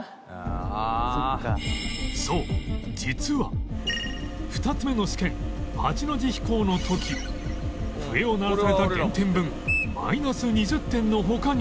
そう実は２つ目の試験８の字飛行の時笛を鳴らされた減点分マイナス２０点の他に